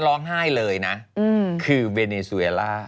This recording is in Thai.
ร้องไห้เลยนะคือเวเนซูเอล่า